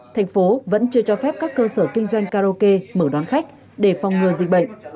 thành phố vẫn chưa cho phép các cơ sở kinh doanh karoke mở đoán khách để phong ngừa dịch bệnh